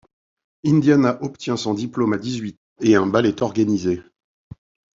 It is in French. Indiana obtient son diplôme à dix-huit ans et un bal est organisé.